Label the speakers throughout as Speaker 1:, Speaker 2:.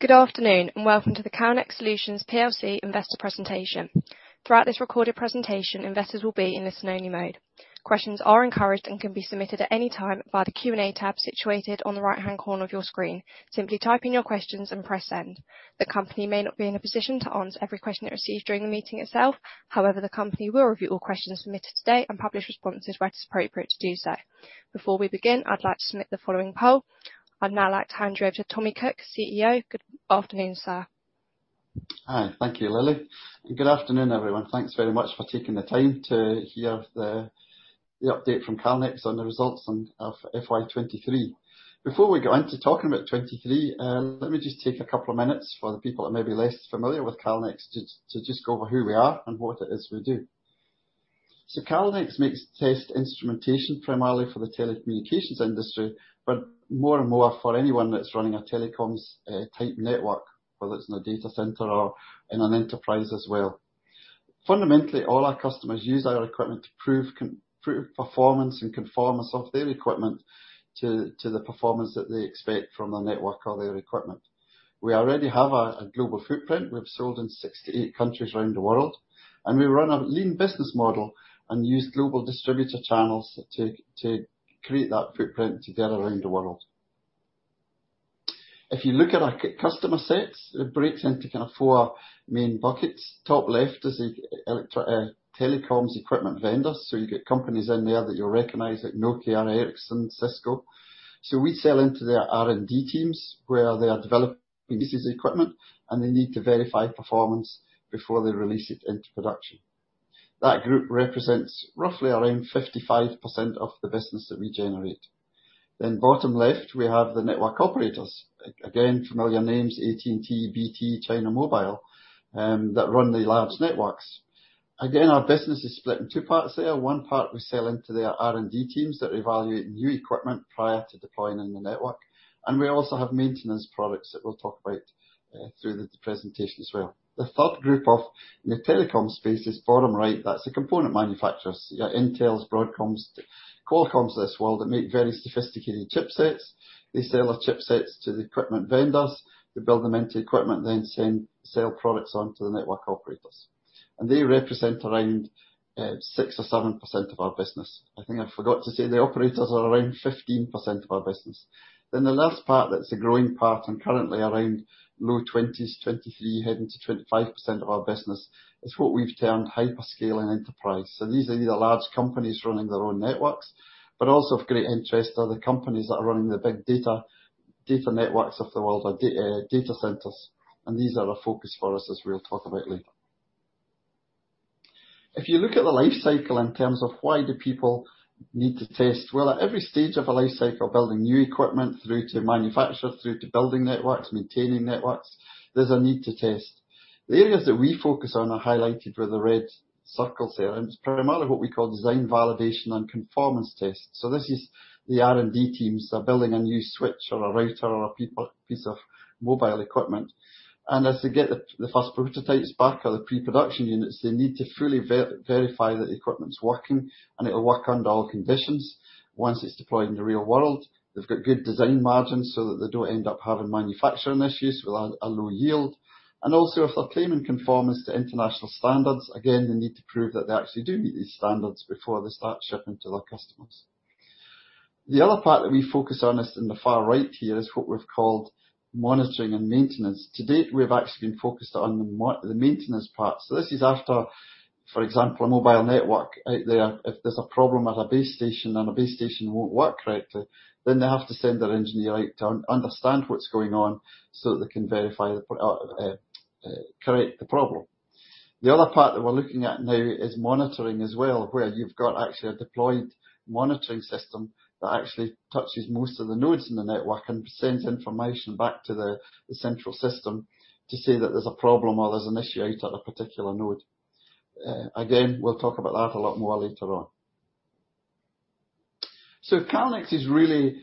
Speaker 1: Good afternoon and welcome to the Calnex Solutions PLC investor presentation. Throughout this recorded presentation, investors will be in listen only mode. Questions are encouraged and can be submitted at any time via the Q&A tab situated on the right-hand corner of your screen. Simply type in your questions and press send. The company may not be in a position to answer every question it receives during the meeting itself. However, the company will review all questions submitted today and publish responses where it is appropriate to do so. Before we begin, I'd like to submit the following poll. I'd now like to hand you over to Tommy Cook, CEO. Good afternoon, sir.
Speaker 2: Hi. Thank you, Lily, good afternoon, everyone. Thanks very much for taking the time to hear the update from Calnex on the results of FY 2023. Before we go into talking about 23, let me just take a couple of minutes for the people that may be less familiar with Calnex to just go over who we are and what it is we do. Calnex makes test instrumentation primarily for the telecommunications industry, but more and more for anyone that's running a telecoms type network, whether it's in a data center or in an enterprise as well. Fundamentally, all our customers use our equipment to prove performance and conformance of their equipment to the performance that they expect from the network or their equipment. We already have a global footprint. We've sold in 68 countries around the world. We run a lean business model and use global distributor channels to create that footprint together around the world. If you look at our customer sets, it breaks into kind of four main buckets. Top left is the telecoms equipment vendors. You get companies in there that you'll recognize, like Nokia and Ericsson, Cisco. We sell into their R&D teams where they are developing pieces of equipment and they need to verify performance before they release it into production. That group represents roughly around 55% of the business that we generate. Bottom left we have the network operators. Again, familiar names AT&T, BT, China Mobile, that run the large networks. Again, our business is split in two parts there. One part we sell into their R&D teams that evaluate new equipment prior to deploying in the network. We also have Maintenance products that we'll talk about through the presentation as well. The third group of the telecom space is bottom right. That's the component manufacturers. Your Intels, Broadcoms, Qualcomms of this world that make very sophisticated chipsets. They sell our chipsets to the equipment vendors who build them into equipment, then send sale products on to the network operators. They represent around 6% or 7% of our business. I think I forgot to say the operators are around 15% of our business. The last part, that's a growing part and currently around low 20s%, 23% heading to 25% of our business, is what we've termed hyperscale and enterprise. These are either large companies running their own networks, but also of great interest are the companies that are running the big data networks of the world or data centers, and these are a focus for us as we'll talk about later. If you look at the life cycle in terms of why do people need to test? Well, at every stage of a life cycle, building new equipment through to manufacture, through to building networks, maintaining networks, there's a need to test. The areas that we focus on are highlighted with a red circle there, and it's primarily what we call design validation and conformance test. This is the R&D teams are building a new switch or a router or a piece of mobile equipment. As they get the first prototypes back or the pre-production units, they need to fully verify that the equipment's working and it'll work under all conditions once it's deployed in the real world. They've got good design margins so that they don't end up having manufacturing issues with a low yield. Also if they're claiming conformance to international standards, again, they need to prove that they actually do meet these standards before they start shipping to their customers. The other part that we focus on is in the far right here, is what we've called Monitoring and Maintenance. To date, we've actually been focused on the Maintenance part. This is after, for example, a mobile network out there. If there's a problem at a base station and a base station won't work correctly, then they have to send their engineer out to un-understand what's going on so that they can verify the correct the problem. The other part that we're looking at now is Monitoring as well, where you've got actually a deployed Monitoring system that actually touches most of the nodes in the network and sends information back to the central system to say that there's a problem or there's an issue out at a particular node. Again, we'll talk about that a lot more later on. Calnex is really,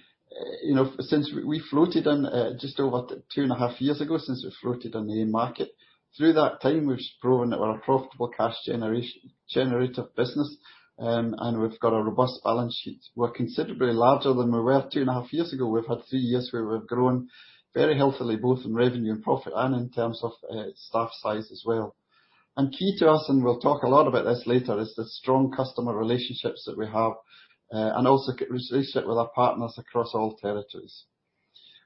Speaker 2: you know, since we floated on just over 2.5 years ago, since we floated on the main market. Through that time we've proven that we're a profitable cash generator business. We've got a robust balance sheet. We're considerably larger than we were 2.5 years ago. We've had three years where we've grown very healthily, both in revenue and profit and in terms of staff size as well. Key to us, and we'll talk a lot about this later, is the strong customer relationships that we have and also relationship with our partners across all territories.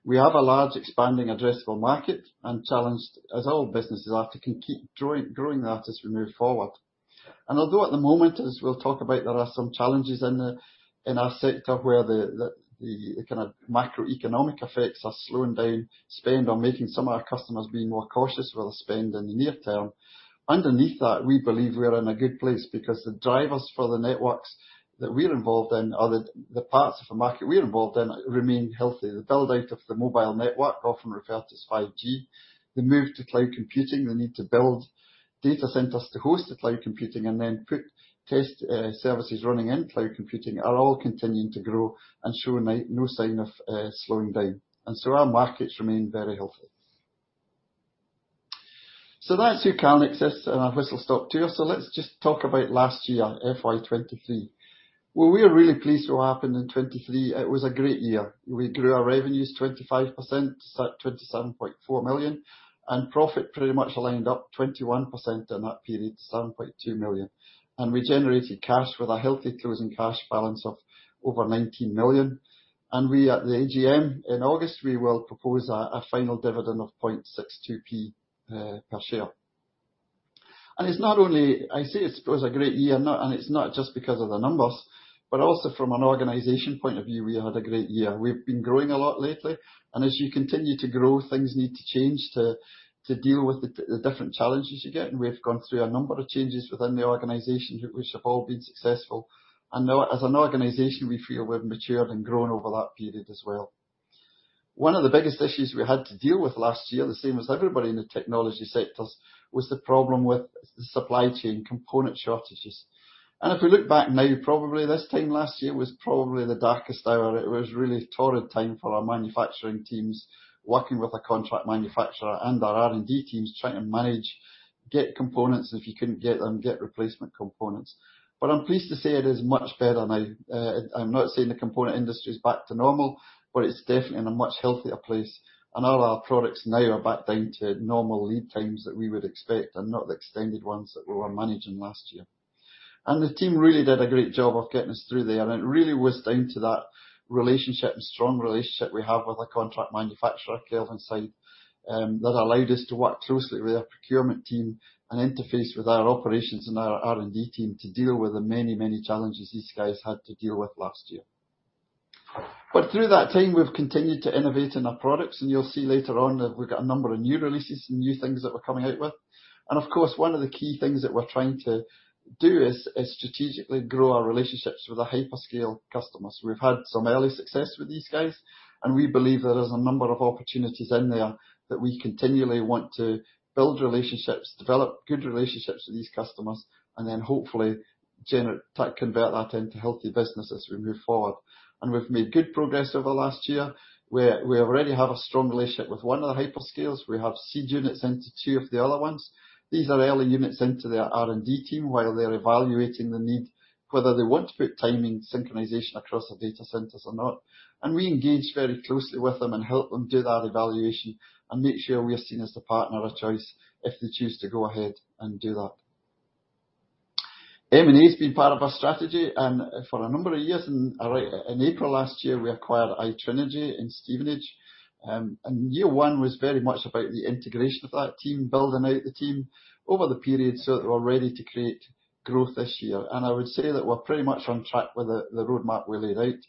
Speaker 2: We have a large expanding addressable market and challenged as all businesses are to keep growing that as we move forward. Although at the moment as we'll talk about, there are some challenges in our sector where the kind of macroeconomic effects are slowing down spend or making some of our customers be more cautious with their spend in the near term. Underneath that, we believe we are in a good place because the drivers for the networks that we're involved in, or the parts of the market we're involved in remain healthy. The build-out of the mobile network often referred to as 5G. The move to cloud computing, the need to build data centers to host the cloud computing and then put test services running in cloud computing are all continuing to grow and show no sign of slowing down. Our markets remain very healthy. That's who Calnex is in a whistle-stop tour. Let's just talk about last year, FY 2023. We are really pleased with what happened in 2023. It was a great year. We grew our revenues 25%, to 27.4 million, and profit pretty much lined up 21% in that period to 7.2 million. We generated cash with a healthy closing cash balance of over 19 million. We at the AGM in August, we will propose a final dividend of 0.62 per share. I say it was a great year, it's not just because of the numbers, but also from an organization point of view, we had a great year. We've been growing a lot lately, and as you continue to grow, things need to change to deal with the different challenges you get. We've gone through a number of changes within the organization which have all been successful. Now as an organization, we feel we've matured and grown over that period as well. One of the biggest issues we had to deal with last year, the same as everybody in the technology sectors, was the problem with supply chain component shortages. If we look back now, probably this time last year was probably the darkest hour. It was a really torrid time for our manufacturing teams, working with our contract manufacturer and our R&D teams trying to manage, get components if you couldn't get them, get replacement components. I'm pleased to say it is much better now. I'm not saying the component industry is back to normal, but it's definitely in a much healthier place. All our products now are back down to normal lead times that we would expect and not the extended ones that we were managing last year. The team really did a great job of getting us through there. It really was down to that relationship and strong relationship we have with our contract manufacturer, Kelvinside, that allowed us to work closely with their procurement team and interface with our operations and our R&D team to deal with the many, many challenges these guys had to deal with last year. Through that time, we've continued to innovate in our products, and you'll see later on that we've got a number of new releases and new things that we're coming out with. Of course, one of the key things that we're trying to do is strategically grow our relationships with the hyperscale customers. We've had some early success with these guys, and we believe there is a number of opportunities in there that we continually want to build relationships, develop good relationships with these customers, and then hopefully convert that into healthy businesses as we move forward. We've made good progress over the last year, where we already have a strong relationship with one of the hyperscales. We have seed units into two of the other ones. These are early units into their R&D team while they're evaluating the need, whether they want to put timing synchronization across the data centers or not. We engage very closely with them and help them do that evaluation and make sure we are seen as the partner of choice if they choose to go ahead and do that. M&A has been part of our strategy and for a number of years. In April last year, we acquired iTrinegy in Stevenage. Year one was very much about the integration of that team, building out the team over the period so that we're ready to create growth this year. I would say that we're pretty much on track with the roadmap we laid out.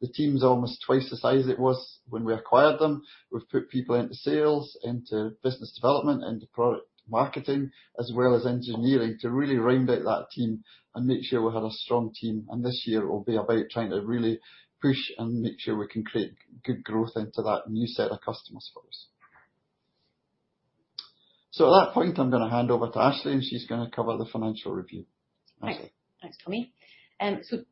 Speaker 2: The team's almost twice the size it was when we acquired them. We've put people into sales, into business development, into product marketing, as well as engineering, to really round out that team and make sure we had a strong team. This year will be about trying to really push and make sure we can create good growth into that new set of customers for us. At that point, I'm gonna hand over to Ashleigh, and she's gonna cover the financial review. Ashleigh.
Speaker 3: Thanks, Tommy.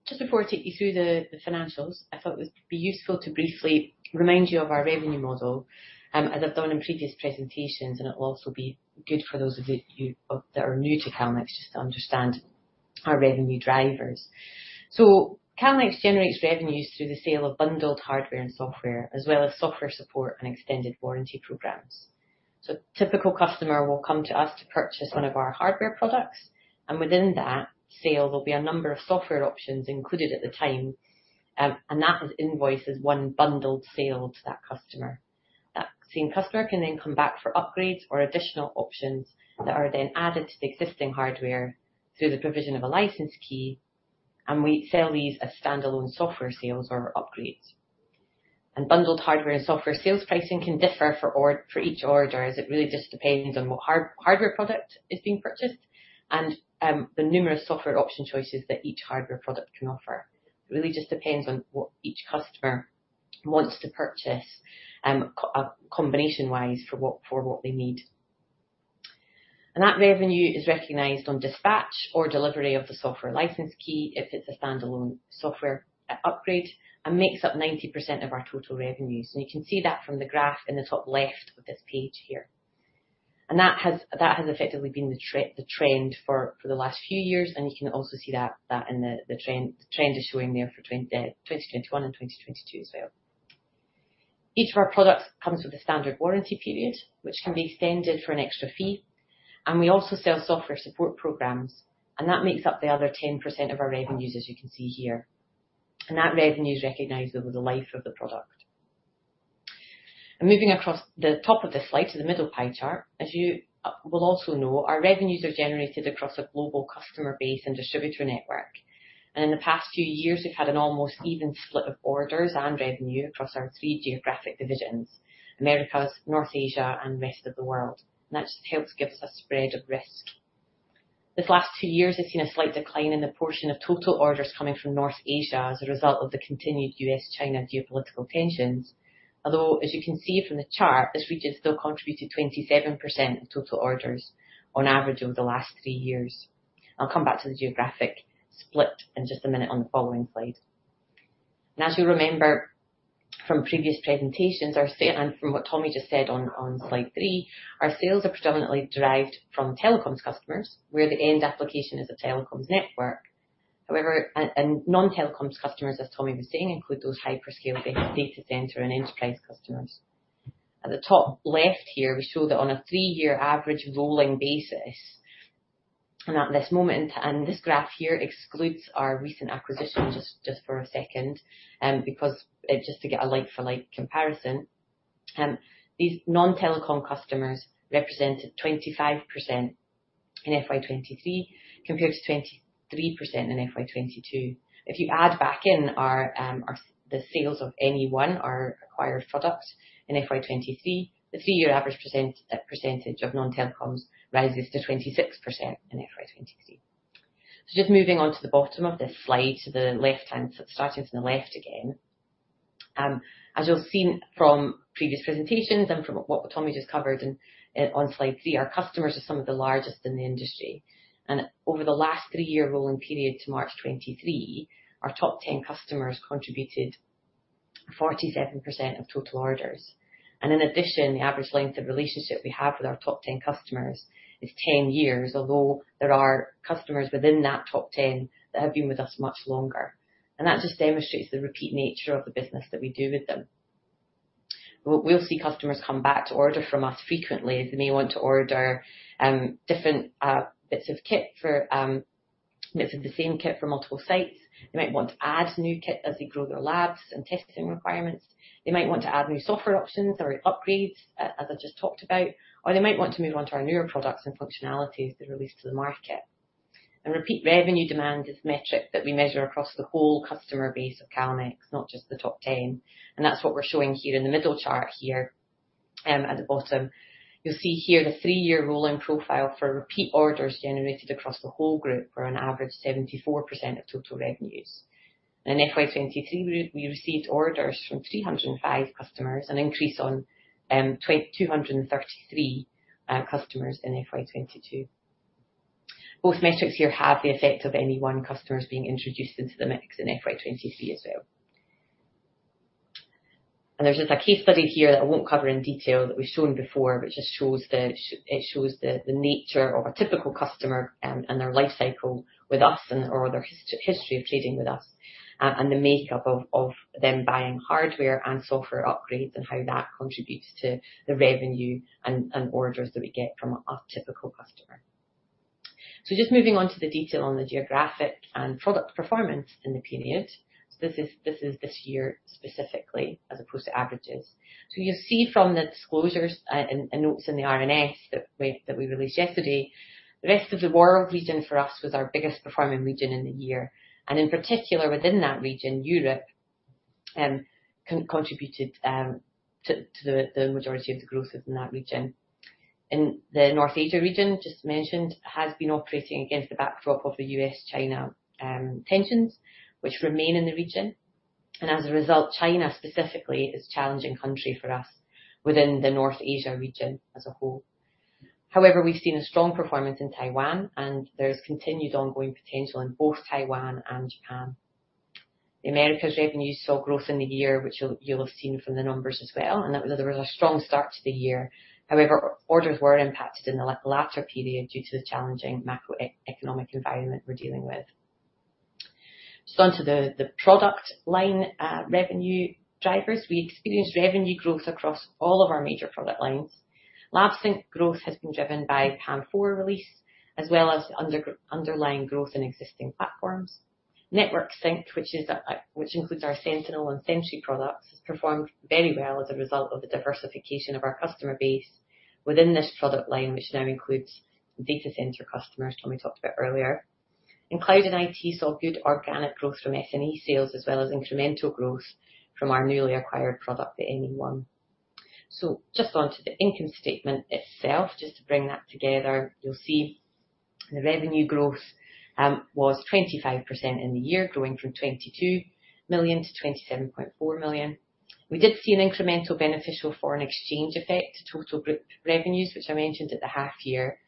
Speaker 3: Just before I take you through the financials, I thought it would be useful to briefly remind you of our revenue model, as I've done in previous presentations, and it will also be good for those of you that are new to Calnex just to understand our revenue drivers. Calnex generates revenues through the sale of bundled hardware and software, as well as software support and extended warranty programs. typical customer will come to us to purchase one of our hardware products, and within that sale will be a number of software options included at the time. That is invoiced as one bundled sale to that customer. That same customer can then come back for upgrades or additional options that are then added to the existing hardware through the provision of a license key, and we sell these as standalone software sales or upgrades. Bundled hardware and software sales pricing can differ for each order, as it really just depends on what hardware product is being purchased and the numerous software option choices that each hardware product can offer. It really just depends on what each customer wants to purchase, combination-wise for what they need. That revenue is recognized on dispatch or delivery of the software license key if it's a standalone software upgrade and makes up 90% of our total revenues. You can see that from the graph in the top left of this page here. That has effectively been the trend for the last few years, and you can also see that in the trend is showing there for 2021 and 2022 as well. Each of our products comes with a standard warranty period, which can be extended for an extra fee. We also sell software support programs, and that makes up the other 10% of our revenues, as you can see here. That revenue is recognized over the life of the product. Moving across the top of the slide to the middle pie chart, as you will also know, our revenues are generated across a global customer base and distributor network. In the past few years, we've had an almost even split of orders and revenue across our 3 geographic divisions, Americas, North Asia, and rest of the world. That just helps give us a spread of risk. These last two years, we've seen a slight decline in the portion of total orders coming from North Asia as a result of the continued U.S.-China geopolitical tensions. As you can see from the chart, this region still contributed 27% of total orders on average over the last three years. I'll come back to the geographic split in just a minute on the following slide. As you'll remember from previous presentations, and from what Tommy just said on slide three, our sales are predominantly derived from telecoms customers, where the end application is a telecoms network. However, non-telecoms customers, as Tommy was saying, include those hyperscale data center and enterprise customers. At the top left here, we show that on a 3-year average rolling basis, at this moment, this graph here excludes our recent acquisition just for a second, because just to get a like for like comparison. These non-telecom customers represented 25% in FY 2023 compared to 23% in FY 2022. If you add back in our, the sales of NE-ONE, our acquired product in FY 2023, the 3-year average percentage of non-telecoms rises to 26% in FY 2023. Just moving on to the bottom of this slide to the left-hand, starting from the left again. As you'll have seen from previous presentations and from what Tommy just covered in on slide three, our customers are some of the largest in the industry. Over the last 3-year rolling period to March 2023, our top 10 customers contributed 47% of total orders. In addition, the average length of relationship we have with our top 10 customers is 10 years. Although there are customers within that top 10 that have been with us much longer. That just demonstrates the repeat nature of the business that we do with them. We'll see customers come back to order from us frequently as they may want to order different bits of kit for bits of the same kit for multiple sites. They might want to add new kit as they grow their labs and testing requirements. They might want to add new software options or upgrades, as I just talked about. They might want to move on to our newer products and functionalities that are released to the market. Repeat revenue demand is metric that we measure across the whole customer base of Calnex, not just the top 10, and that's what we're showing here in the middle chart here, at the bottom. You'll see here the 3-year rolling profile for repeat orders generated across the whole group are an average 74% of total revenues. In FY 2023, we received orders from 305 customers, an increase on 233 customers in FY 2022. Both metrics here have the effect of NE-ONE customers being introduced into the mix in FY 2023 as well. There's just a case study here that I won't cover in detail that we've shown before, but just It shows the nature of a typical customer, and their life cycle with us and or their history of trading with us, and the makeup of them buying hardware and software upgrades and how that contributes to the revenue and orders that we get from a typical customer. Just moving on to the detail on the geographic and product performance in the period. This is this year specifically as opposed to averages. You'll see from the disclosures, and notes in the RNS that we released yesterday. The rest of the world region for us was our biggest performing region in the year. In particular, within that region, Europe contributed to the majority of the growth within that region. In the North Asia region, just mentioned, has been operating against the backdrop of the U.S., China tensions which remain in the region. As a result, China specifically is challenging country for us within the North Asia region as a whole. However, we've seen a strong performance in Taiwan, and there's continued ongoing potential in both Taiwan and Japan. The Americas revenues saw growth in the year, which you'll have seen from the numbers as well, and that there was a strong start to the year. However, orders were impacted in the latter period due to the challenging macroeconomic environment we're dealing with. Onto the product line revenue drivers. We experienced revenue growth across all of our major product lines. Lab Sync growth has been driven by PAM4 release, as well as underlying growth in existing platforms. Network Sync, which includes our Sentinel and Sentry products, has performed very well as a result of the diversification of our customer base within this product line, which now includes data center customers Tommy talked about earlier. Cloud & IT saw good organic growth from SNE sales as well as incremental growth from our newly acquired product, the NE-ONE. Just onto the income statement itself, just to bring that together. You'll see the revenue growth was 25% in the year, growing from 22 million to 27.4 million. We did see an incremental beneficial foreign exchange effect to total group revenues, which I mentioned at the half year,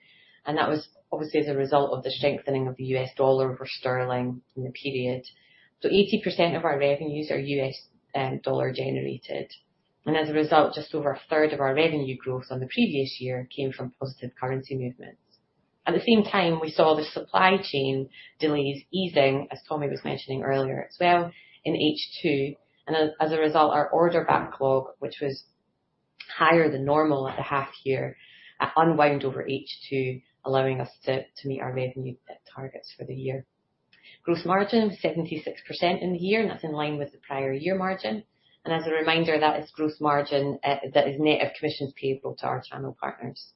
Speaker 3: and that was obviously as a result of the strengthening of the US dollar over sterling in the period. 80% of our revenues are USD generated. As a result, just over a third of our revenue growth on the previous year came from positive currency movements. At the same time, we saw the supply chain delays easing, as Tommy was mentioning earlier as well in H2. As a result, our order backlog, which was higher than normal at the half year, unwind over H2, allowing us to meet our revenue targets for the year. Gross margin 76% in the year, and that's in line with the prior year margin. As a reminder, that is gross margin, that is net of commissions payable to our channel partners.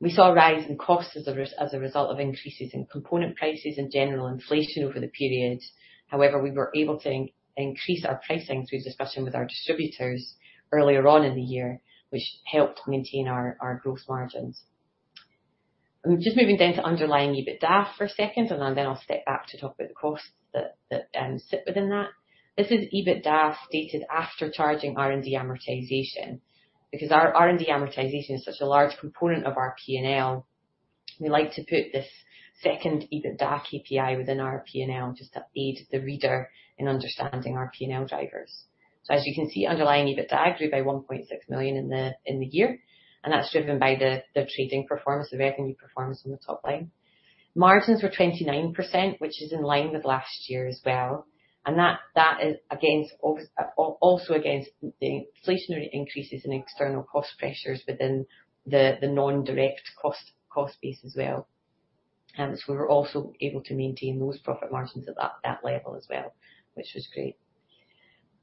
Speaker 3: We saw a rise in costs as a result of increases in component prices and general inflation over the period. However, we were able to increase our pricing through discussion with our distributors earlier on in the year, which helped maintain our growth margins. Just moving down to underlying EBITDA for a second, then I'll step back to talk about the costs that sit within that. This is EBITDA stated after charging R&D amortization, because our R&D amortization is such a large component of our P&L. We like to put this second EBITDA KPI within our P&L just to aid the reader in understanding our P&L drivers. As you can see, underlying EBITDA grew by 1.6 million in the year, and that's driven by the trading performance, the revenue performance on the top line. Margins were 29%, which is in line with last year as well, and that is also against the inflationary increases in external cost pressures within the non-direct cost base as well. We were also able to maintain those profit margins at that level as well, which was great.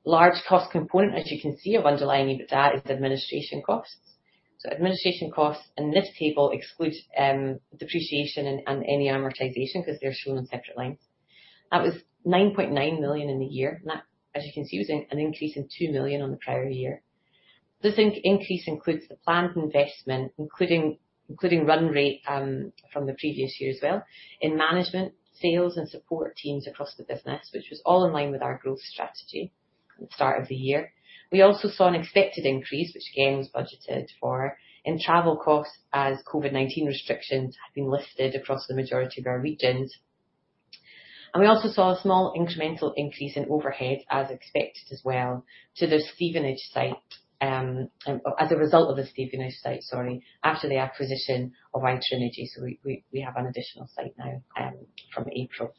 Speaker 3: Large cost component, as you can see, of underlying EBITDA is the administration costs. Administration costs in this table excludes depreciation and any amortization because they're shown on separate lines. That was 9.9 million in the year, and that, as you can see, was an increase of 2 million on the prior year. This increase includes the planned investment, including run rate from the previous year as well in management, sales and support teams across the business, which was all in line with our growth strategy at the start of the year. We also saw an expected increase, which again, was budgeted for in travel costs as COVID-19 restrictions have been lifted across the majority of our regions. We also saw a small incremental increase in overhead as expected as well to the Stevenage site as a result of the Stevenage site, sorry, after the acquisition of iTrinegy. We have an additional site now from April.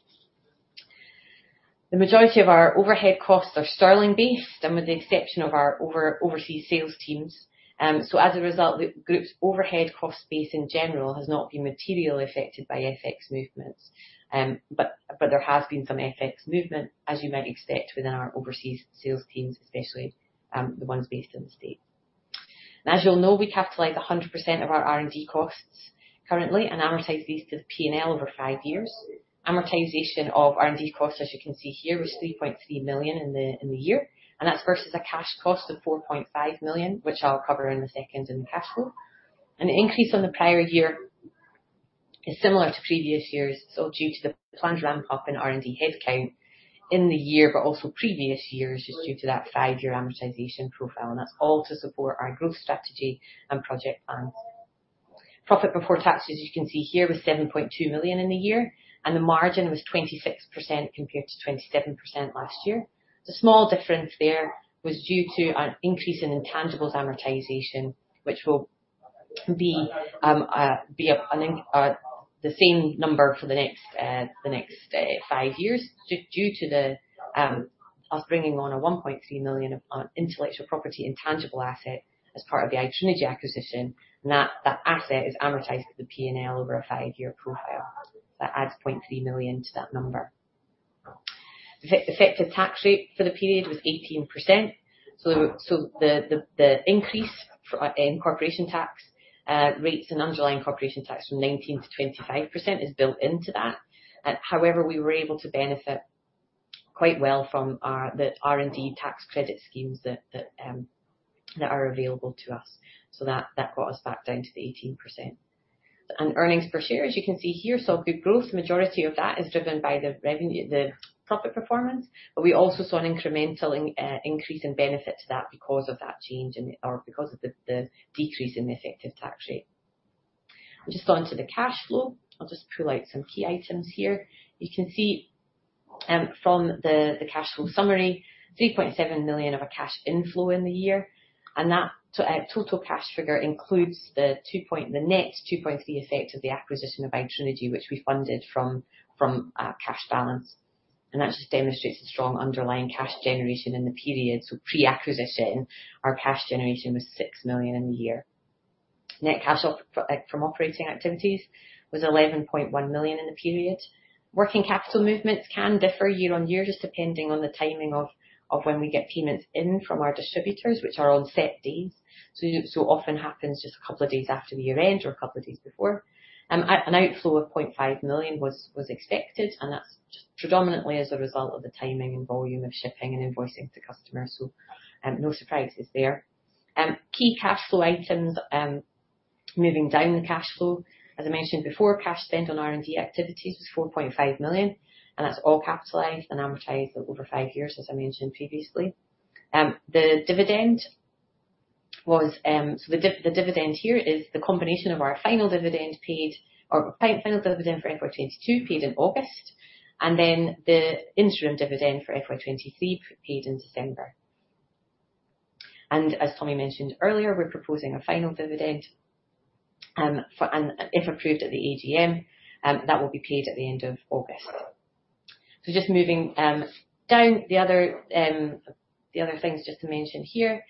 Speaker 3: The majority of our overhead costs are sterling-based and with the exception of our overseas sales teams. As a result, the group's overhead cost base in general has not been materially affected by FX movements. There has been some FX movement, as you might expect within our overseas sales teams, especially, the ones based in the States. As you all know, we capitalize 100% of our R&D costs currently and amortize these to the P&L over five years. Amortization of R&D costs, as you can see here, was 3.3 million in the year. That's versus a cash cost of 4.5 million, which I'll cover in a second in the cash flow. An increase on the prior year is similar to previous years, due to the planned ramp up in R&D head count in the year but also previous years just due to that five-year amortization profile. That's all to support our growth strategy and project plans. Profit before tax, as you can see here, was 7.2 million in the year. The margin was 26% compared to 27% last year. The small difference there was due to an increase in intangibles amortization, which will be the same number for the next five years due to us bringing on a 1.3 million of intellectual property intangible asset as part of the iTrinegy acquisition. That, that asset is amortized to the P&L over a 5-year profile. That adds 0.3 million to that number. The effective tax rate for the period was 18%. The increase for in corporation tax rates and underlying corporation tax from 19%-25% is built into that. However, we were able to benefit quite well from our, the R&D tax credit schemes that are available to us, so that got us back down to the 18%. Earnings per share, as you can see here, saw good growth. Majority of that is driven by the revenue, the profit performance, but we also saw an incremental increase in benefit to that because of the decrease in the effective tax rate. On to the cash flow. I'll just pull out some key items here. You can see, from the cash flow summary, 3.7 million of a cash inflow in the year, and that total cash figure includes the 2.3 effect of the acquisition of iTrinegy, which we funded from cash balance. That just demonstrates the strong underlying cash generation in the period. Pre-acquisition, our cash generation was 6 million in the year. Net cash off from operating activities was 11.1 million in the period. Working capital movements can differ year on year just depending on the timing of when we get payments in from our distributors which are on set days. So often happens just a couple of days after the year-end or a couple of days before. An outflow of 0.5 million was expected. That's predominantly as a result of the timing and volume of shipping and invoicing to customers, so no surprises there. Key cash flow items, moving down the cash flow. As I mentioned before, cash spent on R&D activities was 4.5 million. That's all capitalized and amortized over five years, as I mentioned previously. The dividend was. The dividend here is the combination of our final dividend paid or final dividend for FY 2022 paid in August and then the interim dividend for FY 2023 paid in December. As Tommy mentioned earlier, we're proposing a final dividend, for, if approved at the AGM, that will be paid at the end of August. Just moving down the other, the other things just to mention here,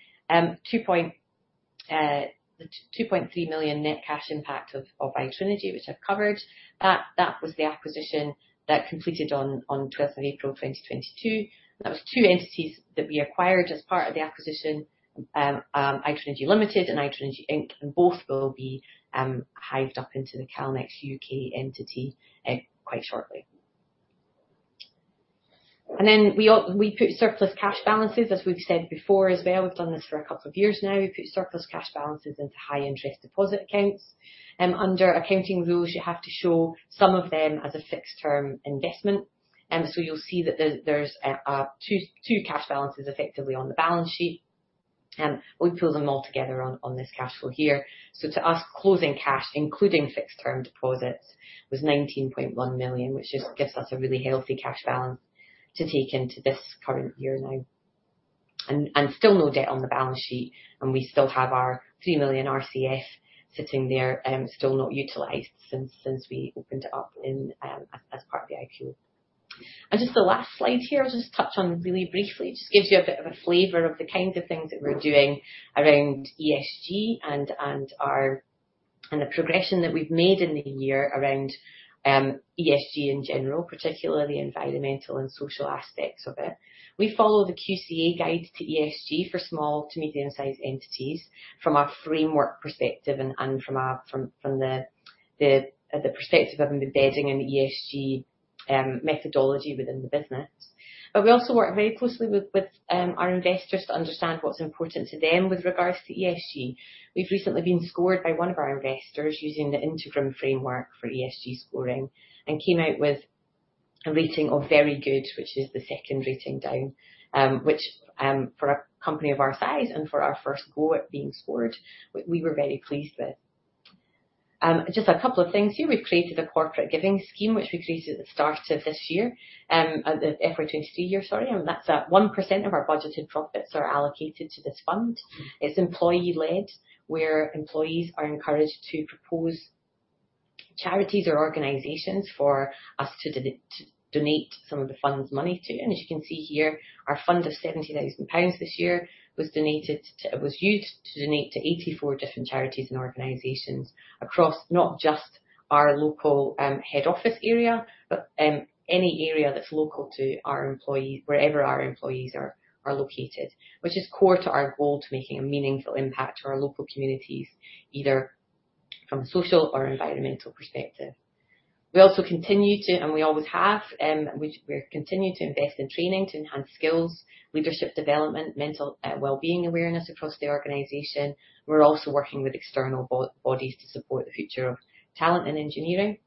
Speaker 3: 2.3 million net cash impact of iTrinegy, which I've covered. That was the acquisition that completed on 12th of April, 2022. That was two entities that we acquired as part of the acquisition, iTrinegy Ltd and iTrinegy Inc. Both will be hived up into the Calnex U.K. entity quite shortly. We put surplus cash balances, as we've said before as well, we've done this for a couple of years now. We put surplus cash balances into high interest deposit accounts. Under accounting rules, you have to show some of them as a fixed term investment. You'll see that there's two cash balances effectively on the balance sheet. We pull them all together on this cash flow here. To us, closing cash, including fixed term deposits, was 19.1 million, which gives us a really healthy cash balance to take into this current year now. Still no debt on the balance sheet, and we still have our 3 million RCF sitting there, still not utilized since we opened it up as part of the IPO. Just the last slide here, I'll just touch on really briefly. Just gives you a bit of a flavor of the kinds of things that we're doing around ESG and our and the progression that we've made in the year around ESG in general, particularly environmental and social aspects of it. We follow the QCA Guide to ESG for small to medium-sized entities from a framework perspective and from the perspective of embedding an ESG methodology within the business. We also work very closely with our investors to understand what's important to them with regards to ESG. We've recently been scored by one of our investors using the Integrum framework for ESG scoring and came out with a rating of very good, which is the second rating down, which for a company of our size and for our first go at being scored, we were very pleased with. Just a couple of things here. We've created a corporate giving scheme, which we created at the start of this year, the FY 2023 year, sorry. That's 1% of our budgeted profits are allocated to this fund. It's employee-led, where employees are encouraged to propose charities or organizations for us to donate some of the fund's money to. As you can see here, our fund of 70,000 pounds this year was used to donate to 84 different charities and organizations across not just our local head office area, but any area that's local to our employees, wherever our employees are located, which is core to our goal to making a meaningful impact to our local communities, either from a social or environmental perspective. We also continue to, and we always have, we're continuing to invest in training to enhance skills, leadership development, mental wellbeing awareness across the organization. We're also working with external bodies to support the future of talent and engineering.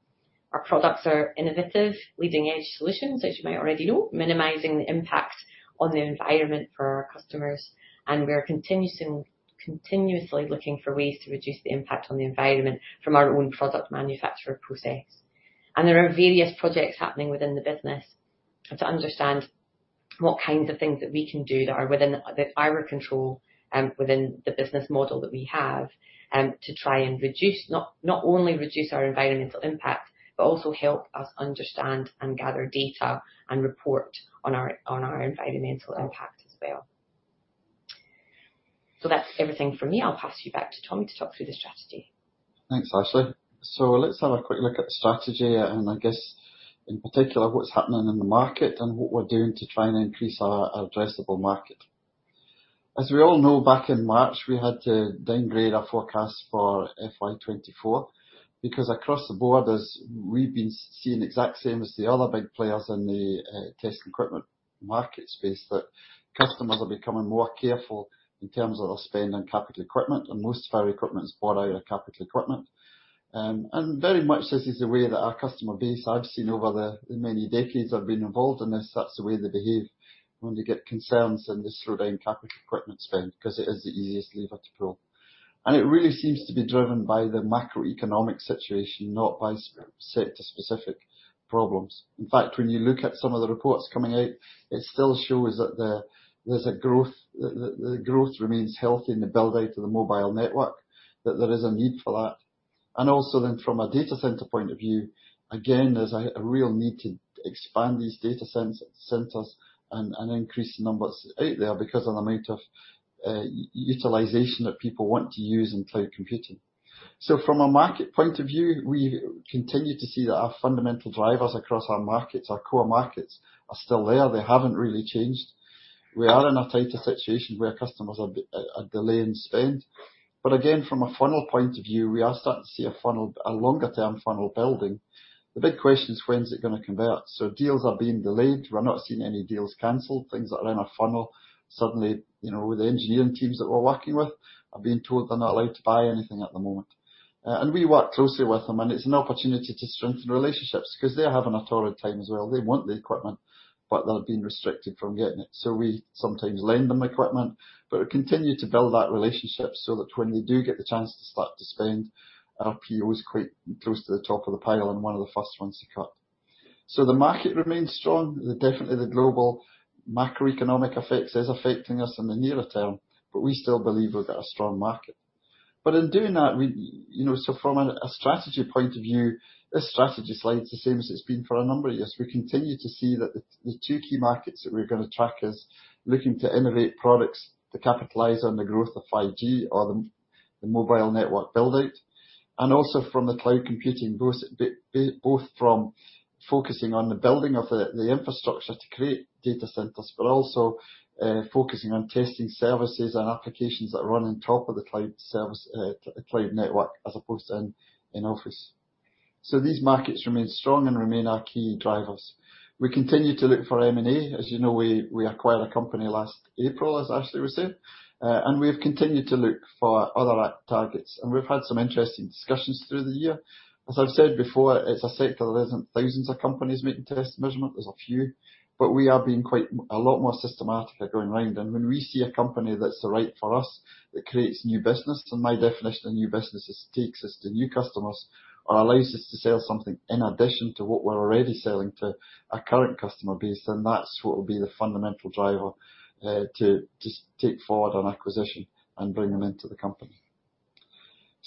Speaker 3: Our products are innovative, leading-edge solutions, as you might already know, minimizing the impact on the environment for our customers, and we are continuously looking for ways to reduce the impact on the environment from our own product manufacture process. There are various projects happening within the business to understand what kinds of things that we can do that are within our control within the business model that we have to try and not only reduce our environmental impact, but also help us understand and gather data and report on our environmental impact as well. That's everything from me. I'll pass you back to Tommy to talk through the strategy.
Speaker 2: Thanks, Ashleigh. Let's have a quick look at the strategy and I guess in particular, what's happening in the market and what we're doing to try and increase our addressable market. As we all know, back in March, we had to downgrade our forecast for FY 2024 because across the board, as we've been seeing exact same as the other big players in the test equipment market space, that customers are becoming more careful in terms of their spend on capital equipment and most of our equipment is bought out of capital equipment. Very much this is the way that our customer base I've seen over the many decades I've been involved in this, that's the way they behave when they get concerns and just slow down capital equipment spend because it is the easiest lever to pull. It really seems to be driven by the macroeconomic situation, not by sector specific problems. In fact, when you look at some of the reports coming out, it still shows that there's a growth. The growth remains healthy in the build out of the mobile network, that there is a need for that. Also then from a data center point of view, again, there's a real need to expand these data centers and increase the numbers out there because of the amount of utilization that people want to use in cloud computing. From a market point of view, we continue to see that our fundamental drivers across our markets, our core markets are still there. They haven't really changed. We are in a tighter situation where customers are delaying spend, but again, from a funnel point of view, we are starting to see a funnel, a longer term funnel building. The big question is when's it gonna convert? Deals are being delayed. We're not seeing any deals canceled. Things that are in our funnel suddenly, you know, the engineering teams that we're working with are being told they're not allowed to buy anything at the moment. We work closely with them, and it's an opportunity to strengthen relationships because they're having a horrid time as well. They want the equipment, but they're being restricted from getting it. We sometimes lend them equipment, but we continue to build that relationship so that when they do get the chance to start to spend, RFQ is quite close to the top of the pile and one of the first ones to cut. The market remains strong. Definitely the global macroeconomic effects is affecting us in the nearer term, but we still believe we've got a strong market. In doing that, we, you know. From a strategy point of view, this strategy slide is the same as it's been for a number of years. We continue to see that the two key markets that we're gonna track is looking to innovate products to capitalize on the growth of 5G or the mobile network build-out, and also from the cloud computing, both from focusing on the building of the infrastructure to create data centers, but also focusing on testing services and applications that run on top of the cloud service, the cloud network as opposed to in office. These markets remain strong and remain our key drivers. We continue to look for M&A. As you know, we acquired a company last April, as Ashleigh was saying, and we have continued to look for other targets, and we've had some interesting discussions through the year. As I've said before, it's a sector, there isn't thousands of companies making test measurement, there's a few, but we are being quite a lot more systematic at going round. When we see a company that's right for us, that creates new business, and my definition of new business is it takes us to new customers or allows us to sell something in addition to what we're already selling to our current customer base, then that's what will be the fundamental driver to take forward on acquisition and bring them into the company.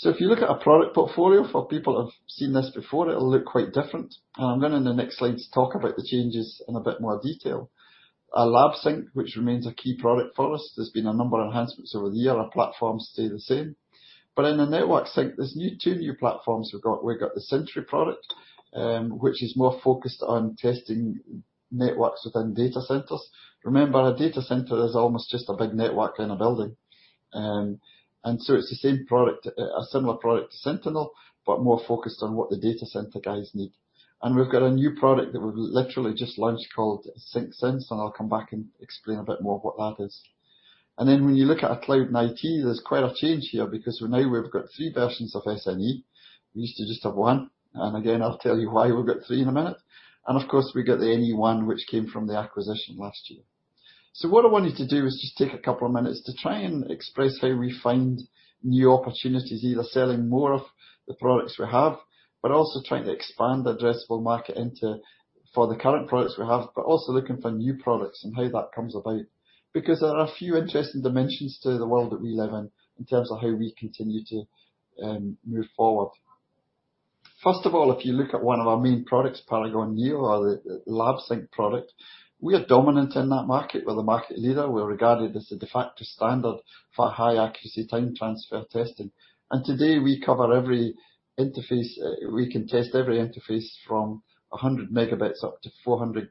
Speaker 2: If you look at our product portfolio, for people who have seen this before, it'll look quite different. I'm gonna in the next slide talk about the changes in a bit more detail. Our Lab Sync, which remains a key product for us, there's been a number of enhancements over the year. Our platforms stay the same. In the Network Sync, there's two new platforms we've got. We've got the Sentry product, which is more focused on testing networks within data centers. Remember, a data center is almost just a big network in a building. It's the same product, a similar product to Sentinel, but more focused on what the data center guys need. We've got a new product that we've literally just launched called SyncSense, and I'll come back and explain a bit more what that is. When you look at our Cloud & IT, there's quite a change here because now we've got three versions of SNE. We used to just have one. Again, I'll tell you why we've got three in a minute. Of course, we got the NE-ONE which came from the acquisition last year. What I want you to do is just take a couple of minutes to try and express how we find new opportunities, either selling more of the products we have, but also trying to expand the addressable market into for the current products we have, but also looking for new products and how that comes about. There are a few interesting dimensions to the world that we live in terms of how we continue to move forward. First of all, if you look at one of our main products, Paragon-X, or the Lab Sync product, we are dominant in that market. We're the market leader. We're regarded as the de facto standard for high accuracy time transfer testing. Today we cover every interface. We can test every interface from 100 Mb up to 400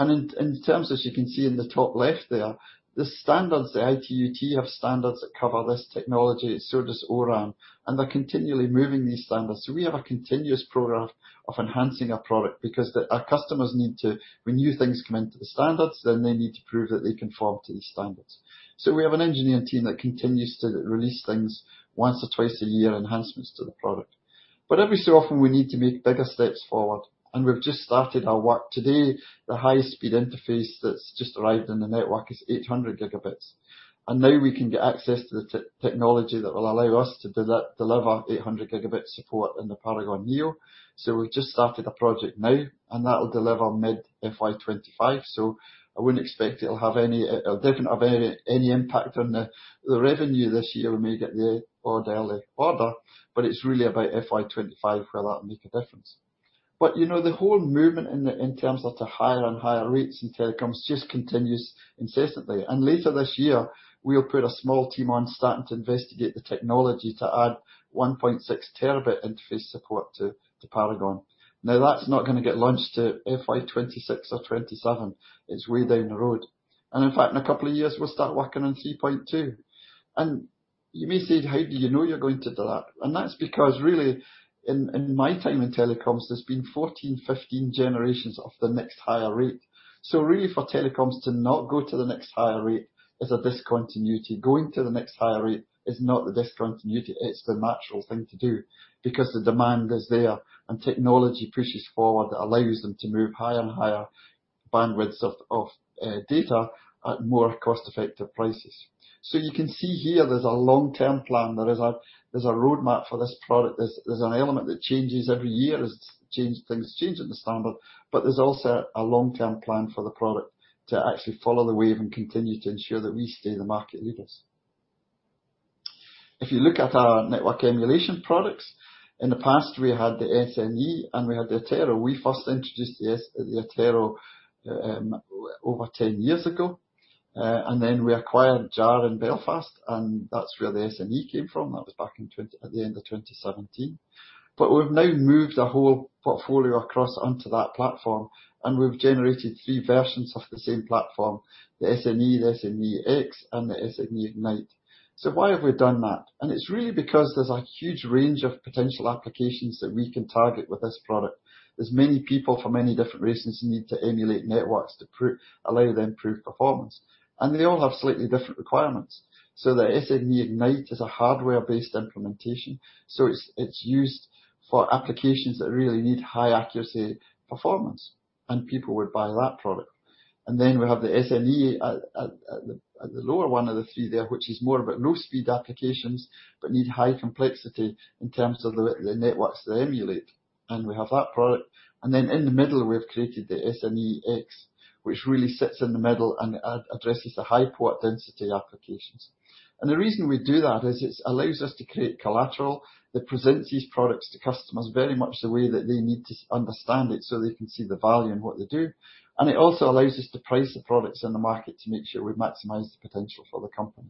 Speaker 2: Gb. In terms, as you can see in the top left there, the ITU-T have standards that cover this technology, so does O-RAN, and they're continually moving these standards. We have a continuous program of enhancing our product because our customers need to. When new things come into the standards, then they need to prove that they conform to these standards. We have an engineering team that continues to release things once or twice a year, enhancements to the product. Every so often we need to make bigger steps forward, and we've just started our work. Today, the highest speed interface that's just arrived in the network is 800 Gb. Now we can get access to the technology that will allow us to deliver 800 Gb support in the Paragon-Neo. We've just started a project now, and that will deliver mid-FY 2025. I wouldn't expect it'll have any impact on the revenue this year. We may get the odd early order, but it's really about FY 2025 where that will make a difference. You know, the whole movement in the, in terms of the higher and higher rates in telecoms just continues incessantly. Later this year, we'll put a small team on starting to investigate the technology to add 1.6 Tb interface support to Paragon. That's not gonna get launched till FY 2026 or 2027. It's way down the road. In fact, in a couple of years, we'll start working on 3.2. You may say, "How do you know you're going to do that?" That's because really, in my time in telecoms, there's been 14, 15 generations of the next higher rate. Really for telecoms to not go to the next higher rate is a discontinuity. Going to the next higher rate is not the discontinuity, it's the natural thing to do because the demand is there and technology pushes forward that allows them to move higher and higher bandwidths of data at more cost-effective prices. You can see here there's a long-term plan. There is a, there's a roadmap for this product. There's, there's an element that changes every year as things change in the standard, but there's also a long-term plan for the product to actually follow the wave and continue to ensure that we stay the market leaders. If you look at our network emulation products, in the past we had the SNE and we had the Attero. We first introduced the Attero over 10 years ago. We acquired JAR in Belfast, and that's where the SNE came from. That was back at the end of 2017. We've now moved a whole portfolio across onto that platform, and we've generated three versions of the same platform, the SNE, the SNE-X, and the SNE-Ignite. Why have we done that? It's really because there's a huge range of potential applications that we can target with this product. There's many people for many different reasons who need to emulate networks to allow them proof performance. They all have slightly different requirements. The SNE-Ignite is a hardware-based implementation, it's used for applications that really need high accuracy performance, and people would buy that product. We have the SNE at the lower one of the three there, which is more about low speed applications, but need high complexity in terms of the networks they emulate, and we have that product. In the middle, we've created the SNE-X, which really sits in the middle and addresses the high port density applications. The reason we do that is it allows us to create collateral that presents these products to customers very much the way that they need to understand it, so they can see the value in what they do. It also allows us to price the products in the market to make sure we maximize the potential for the company.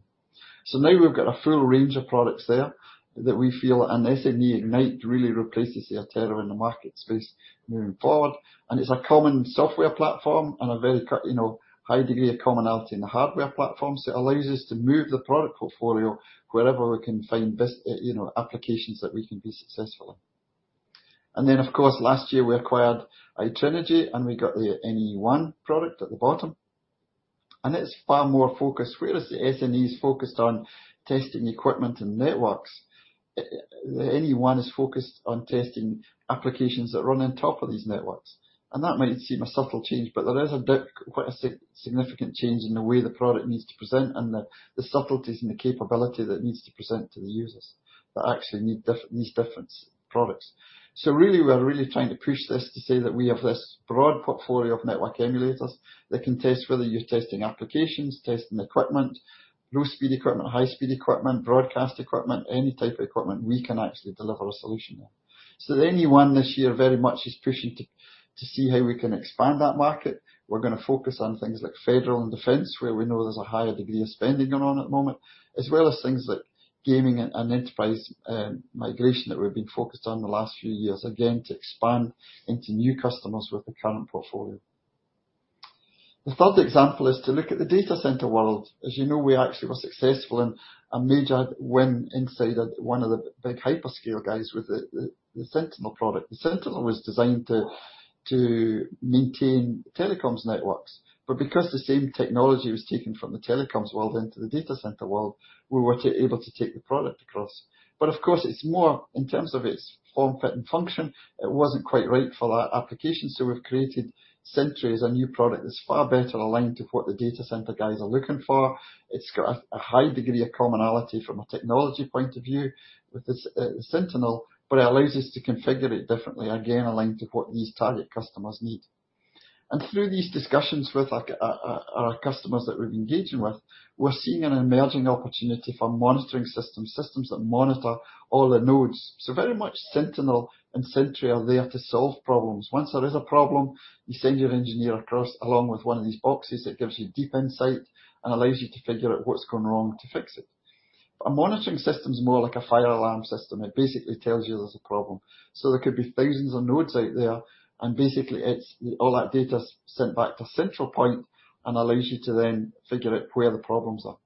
Speaker 2: Now we've got a full range of products there that we feel. The SNE-Ignite really replaces the Attero in the market space moving forward. It's a common software platform and a very, you know, high degree of commonality in the hardware platform. It allows us to move the product portfolio wherever we can find applications that we can be successful in. Of course, last year we acquired iTrinegy. We got the NE-ONE product at the bottom, and it's far more focused. Whereas the SNE is focused on testing equipment and networks, the NE-ONE is focused on testing applications that run on top of these networks. That might seem a subtle change, but there is a quite a significant change in the way the product needs to present and the subtleties and the capability that it needs to present to the users that actually need these different products. Really, we are really trying to push this to say that we have this broad portfolio of network emulators that can test whether you're testing applications, testing equipment, low-speed equipment, high-speed equipment, broadcast equipment, any type of equipment, we can actually deliver a solution there. The NE-ONE this year very much is pushing to see how we can expand that market. We're gonna focus on things like federal and defense, where we know there's a higher degree of spending going on at the moment, as well as things like gaming and enterprise migration that we've been focused on the last few years, again, to expand into new customers with the current portfolio. The third example is to look at the data center world. As you know, we actually were successful in a major win inside one of the big hyperscale guys with the Sentinel product. The Sentinel was designed to maintain telecoms networks. Because the same technology was taken from the telecoms world into the data center world, we were able to take the product across. Of course, it's more in terms of its form, fit, and function, it wasn't quite right for that application, so we've created Sentry as a new product that's far better aligned to what the data center guys are looking for. It's got a high degree of commonality from a technology point of view with the Sentinel, it allows us to configure it differently, again, aligned to what these target customers need. Through these discussions with our customers that we've been engaging with, we're seeing an emerging opportunity for Monitoring systems that monitor all the nodes. Very much Sentinel and Sentry are there to solve problems. Once there is a problem, you send your engineer across along with one of these boxes that gives you deep insight and allows you to figure out what's gone wrong to fix it. A Monitoring system is more like a fire alarm system. It basically tells you there's a problem. There could be thousands of nodes out there, and basically all that data's sent back to a central point and allows you to then figure out where the problems are.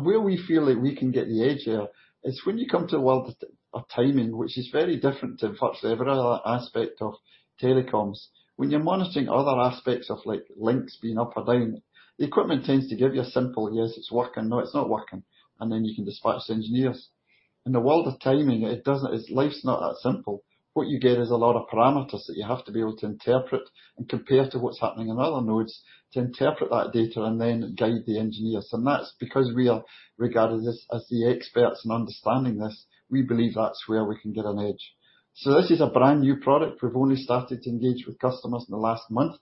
Speaker 2: Where we feel that we can get the edge there is when you come to the world of timing, which is very different to virtually every other aspect of telecoms. When you're monitoring other aspects of like links being up or down, the equipment tends to give you a simple, "Yes, it's working. No, it's not working." Then you can dispatch engineers. In the world of timing, life's not that simple. What you get is a lot of parameters that you have to be able to interpret and compare to what's happening in other nodes to interpret that data and then guide the engineers. That's because we are regarded as the experts in understanding this, we believe that's where we can get an edge. This is a brand-new product. We've only started to engage with customers in the last month,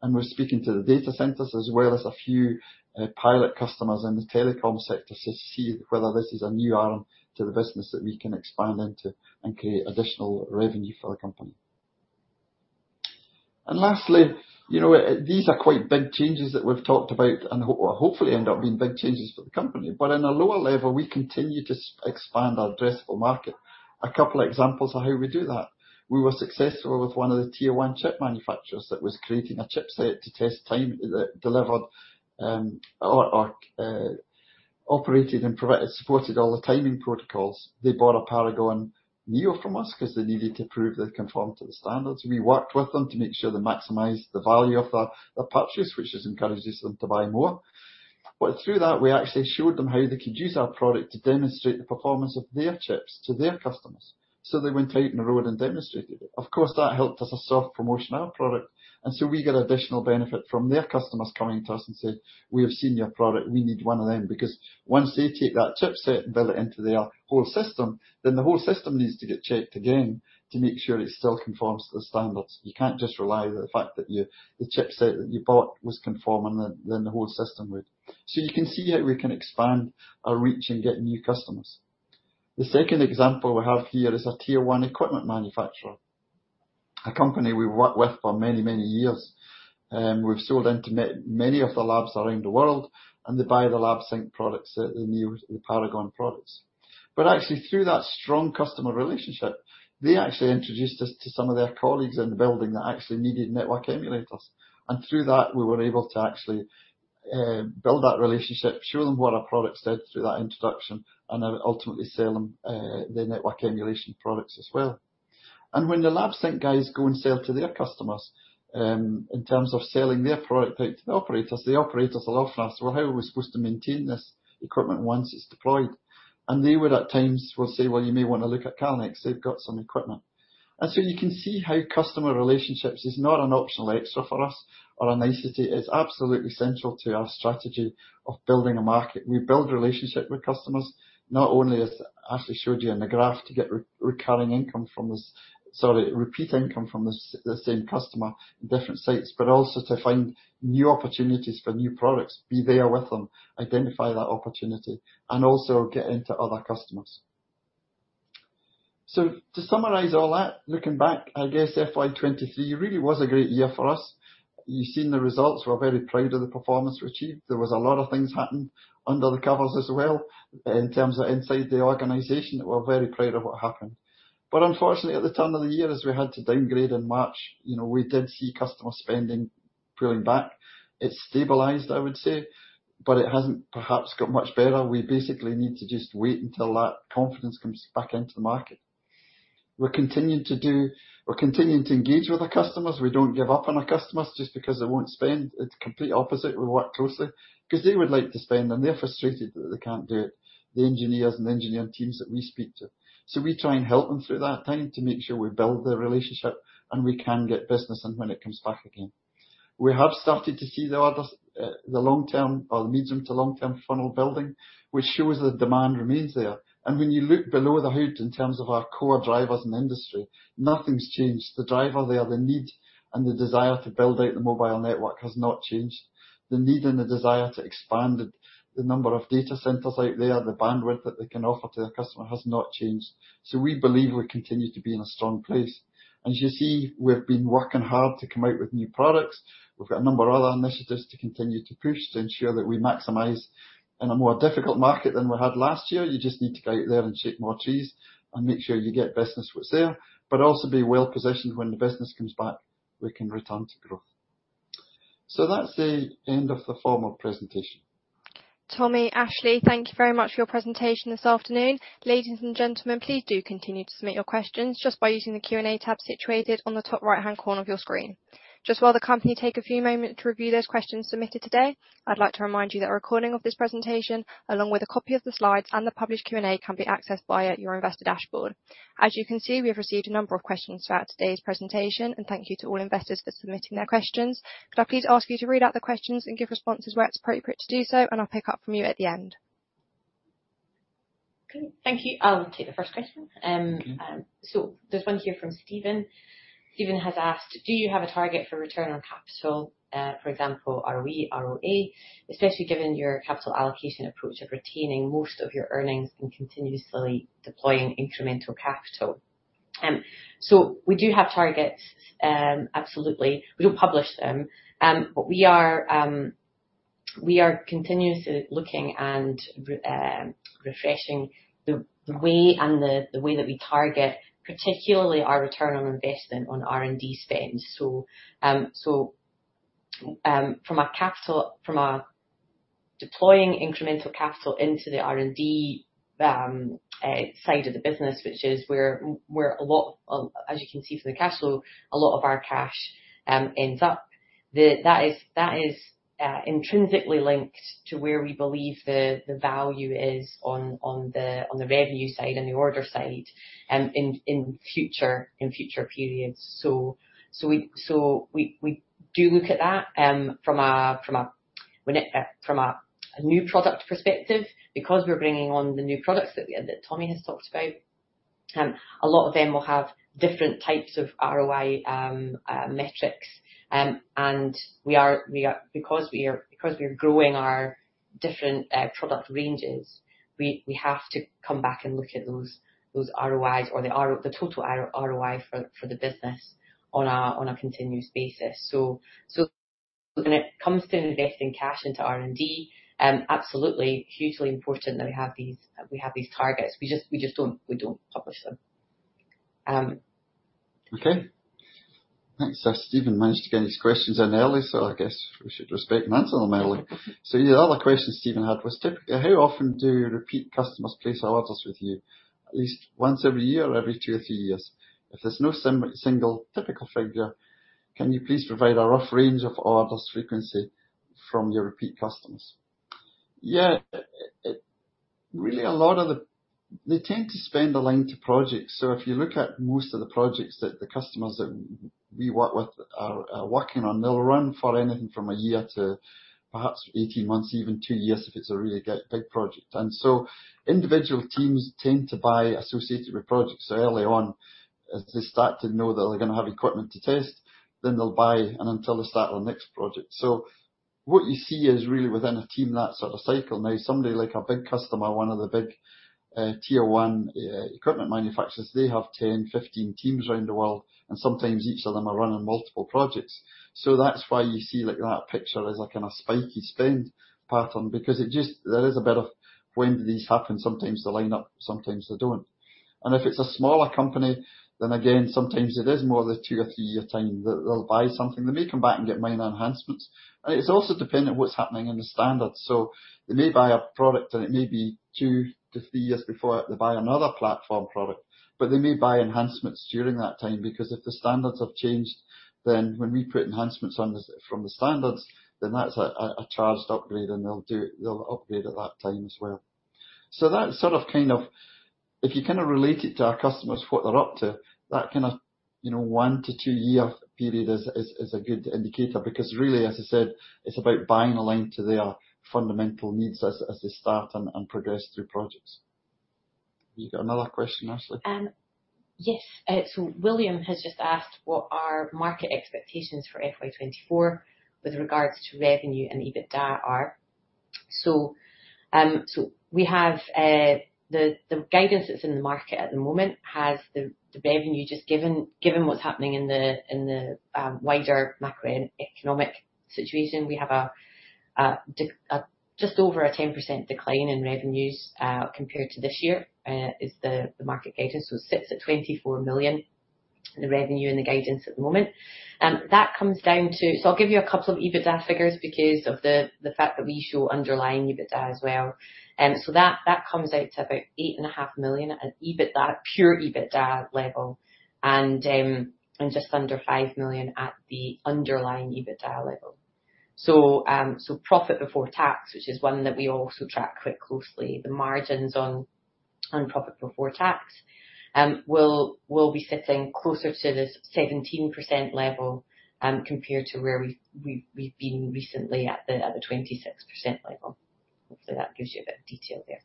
Speaker 2: and we're speaking to the data centers as well as a few pilot customers in the telecom sector to see whether this is a new arm to the business that we can expand into and create additional revenue for the company. Lastly, you know, these are quite big changes that we've talked about and hopefully end up being big changes for the company. On a lower level, we continue to expand our addressable market. A couple examples of how we do that. We were successful with one of the tier one chip manufacturers that was creating a chipset to test time, delivered, operated and supported all the timing protocols. They bought a Paragon-Neo from us 'cause they needed to prove they conform to the standards. We worked with them to make sure they maximize the value of the purchase, which has encouraged them to buy more. Through that, we actually showed them how they could use our product to demonstrate the performance of their chips to their customers. They went out on the road and demonstrated it. Of course, that helped us a soft promotion of our product. We get additional benefit from their customers coming to us and saying, "We have seen your product. We need one of them. Once they take that chipset and build it into their whole system, then the whole system needs to get checked again to make sure it still conforms to the standards. You can't just rely on the fact that your the chipset that you bought was conforming, then the whole system would. You can see how we can expand our reach and get new customers. The second example we have here is a tier 1 equipment manufacturer, a company we worked with for many, many years, we've sold into many of the labs around the world, and they buy the Lab Sync products, the new the Paragon products. Actually, through that strong customer relationship, they actually introduced us to some of their colleagues in the building that actually needed network emulators. Through that, we were able to actually build that relationship, show them what our product said through that introduction, then ultimately sell them the network emulation products as well. When the Lab Sync guys go and sell to their customers, in terms of selling their product out to the operators, the operators will often ask, "Well, how are we supposed to maintain this equipment once it's deployed?" They would, at times, will say, "Well, you may wanna look at Calnex. They've got some equipment." You can see how customer relationships is not an optional extra for us or a nicety. It's absolutely central to our strategy of building a market. We build relationship with customers, not only, as Ashleigh showed you in the graph, to get re-recurring income from this... Sorry, repeat income from the same customer in different sites, but also to find new opportunities for new products, be there with them, identify that opportunity, and also get into other customers. To summarize all that, looking back, I guess FY 2023 really was a great year for us. You've seen the results. We're very proud of the performance we achieved. There was a lot of things happened under the covers as well in terms of inside the organization, that we're very proud of what happened. Unfortunately, at the turn of the year, as we had to downgrade in March, you know, we did see customer spending-pulling back. It's stabilized, I would say, but it hasn't perhaps got much better. We basically need to just wait until that confidence comes back into the market. We're continuing to engage with our customers. We don't give up on our customers just because they won't spend. It's the complete opposite. We work closely because they would like to spend, and they're frustrated that they can't do it, the engineers and engineering teams that we speak to. We try and help them through that time to make sure we build the relationship, and we can get business in when it comes back again. We have started to see the orders, the long-term or the medium to long-term funnel building, which shows the demand remains there. When you look below the hood in terms of our core drivers and industry, nothing's changed. The driver there, the need, and the desire to build out the mobile network has not changed. The need and the desire to expand the number of data centers out there, the bandwidth that they can offer to their customer has not changed. We believe we continue to be in a strong place. As you see, we've been working hard to come out with new products. We've got a number of other initiatives to continue to push to ensure that we maximize in a more difficult market than we had last year. You just need to go out there and shake more trees and make sure you get business what's there, but also be well-positioned when the business comes back, we can return to growth. That's the end of the formal presentation.
Speaker 1: Tommy, Ashleigh, thank you very much for your presentation this afternoon. Ladies and gentlemen, please do continue to submit your questions just by using the Q&A tab situated on the top right-hand corner of your screen. Just while the company take a few moments to review those questions submitted today, I'd like to remind you that a recording of this presentation, along with a copy of the slides and the published Q&A, can be accessed via your investor dashboard. As you can see, we have received a number of questions throughout today's presentation, and thank you to all investors for submitting their questions. Could I please ask you to read out the questions and give responses where it's appropriate to do so, and I'll pick up from you at the end.
Speaker 3: Okay. Thank you. I'll take the first question. There's one here from Stephen. Stephen has asked: Do you have a target for return on capital, for example, ROE, ROA, especially given your capital allocation approach of retaining most of your earnings and continuously deploying incremental capital? We do have targets, absolutely. We don't publish them. We are continuously looking and refreshing the way and the way that we target, particularly our return on investment on R&D spends. From a deploying incremental capital into the R&D side of the business, which is where a lot of... As you can see from the cash flow, a lot of our cash ends up. That is, that is intrinsically linked to where we believe the value is on the revenue side and the order side in future periods. We do look at that from a new product perspective, because we're bringing on the new products that Tommy has talked about. A lot of them will have different types of ROI metrics. And we are because we are growing our different product ranges, we have to come back and look at those ROIs or the total RO-ROI for the business on a continuous basis. When it comes to investing cash into R&D, absolutely hugely important that we have these targets. We just don't publish them.
Speaker 2: Thanks. Stephen managed to get his questions in early, I guess we should respect and answer them early. The other question Stephen had was typically how often do your repeat customers place orders with you? At least once every year every two or three years? If there's no single typical figure, can you please provide a rough range of orders frequency from your repeat customers? Really, they tend to spend aligned to projects. If you look at most of the projects that the customers that we work with are working on, they'll run for anything from a year to perhaps 18 months, even two years if it's a really big project. Individual teams tend to buy associated with projects early on, as they start to know that they're gonna have equipment to test, then they'll buy and until they start on the next project. What you see is really within a team, that sort of cycle. Somebody like a big customer, one of the big, tier one, equipment manufacturers, they have 10, 15 teams around the world, and sometimes each of them are running multiple projects. That's why you see like that picture as like in a spiky spend pattern because it just. There is a bit of when these happen, sometimes they line up, sometimes they don't. If it's a smaller company, then again, sometimes it is more the 2- or 3-year time that they'll buy something. They may come back and get minor enhancements. It's also dependent what's happening in the standards. They may buy a product, and it may be 2-3 years before they buy another platform product, but they may buy enhancements during that time because if the standards have changed, then when we put enhancements on this from the standards, then that's a charged upgrade, and they'll upgrade at that time as well. That's sort of kind of. If you kind of relate it to our customers, what they're up to, that kind of, you know, 1-2-year period is, is a good indicator because really, as I said, it's about buying aligned to their fundamental needs as they start and progress through projects. You got another question, Ashleigh?
Speaker 3: Yes. So William has just asked what our market expectations for FY 2024 with regards to revenue and EBITDA are. We have the guidance that's in the market at the moment has the revenue just given what's happening in the wider macroeconomic situation. We have a just over a 10% decline in revenues compared to this year is the market guidance. It sits at 24 million. The revenue and the guidance at the moment. That comes down to. I'll give you a couple of EBITDA figures because of the fact that we show underlying EBITDA as well. That comes out to about 8.5 million at EBITDA, pure EBITDA level and just under 5 million at the underlying EBITDA level. Profit before tax, which is one that we also track quite closely, the margins on profit before tax, will be sitting closer to the 17% level, compared to where we've been recently at the 26% level. Hopefully, that gives you a bit of detail there.